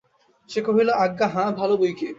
সে কহিল, আজ্ঞা হাঁ, ভালো বৈকি।